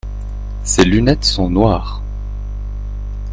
Ses lunettes sont noires.